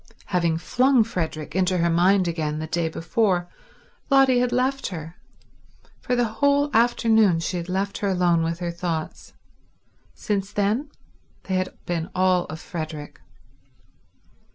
Having flung Frederick into her mind again the day before, Lotty had left her; for the whole afternoon she had left her alone with her thoughts. Since then they had been all of Frederick.